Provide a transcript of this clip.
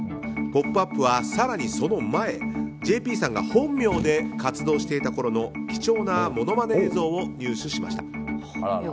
「ポップＵＰ！」は更にその前ＪＰさんが本名で活動していたころの貴重なものまね映像を入手しました。